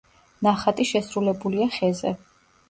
ნახატი შესრულებულია ხეზე.